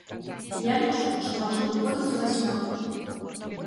Я лічу, што можна выходзіць у васьмёрку.